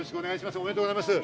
おめでとうございます。